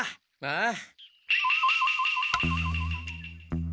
ああ。